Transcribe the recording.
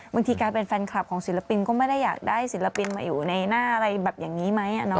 บางทีการเป็นแฟนคลับของศิลปินก็ไม่ได้อยากได้ศิลปินมาอยู่ในหน้าอะไรแบบอย่างนี้ไหม